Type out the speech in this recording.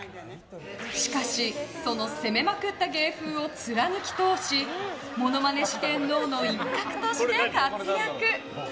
しかしその攻めまくった芸風を貫き通しモノマネ四天王の一角として活躍。